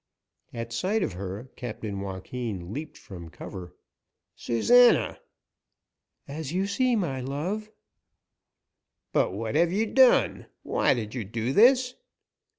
At sight of her Captain Joaquin leaped from cover. "Susana!" "As you see, my love!" "But what have you done? Why did you do this?"